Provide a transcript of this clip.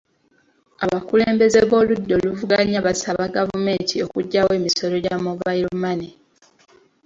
Abakulembeze b'oludda oluvuganya baasaba gavumenti okuggyawo emisolo gya mobile money.